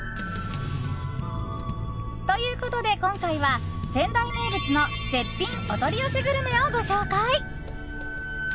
ということで今回は、仙台名物の絶品お取り寄せグルメをご紹介。